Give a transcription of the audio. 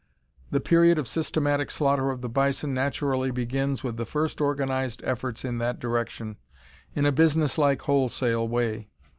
The period of systematic slaughter of the bison naturally begins with the first organized efforts in that direction, in a business like, wholesale way.